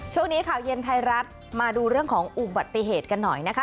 ช่วงนี้ข่าวเย็นไทยรัฐมาดูเรื่องของอุบัติเหตุกันหน่อยนะคะ